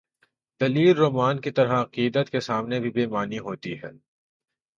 دلیل رومان کی طرح، عقیدت کے سامنے بھی بے معنی ہو تی ہے۔